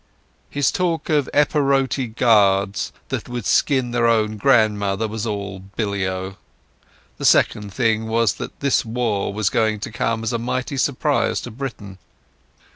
His talk of Epirote guards that would skin their own grandmothers was all billy o. The second thing was that this war was going to come as a mighty surprise to Britain.